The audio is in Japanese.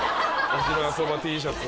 沖縄そばＴシャツ？